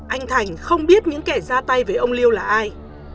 anh thành không biết những kẻ ra tay với ông liêu là ai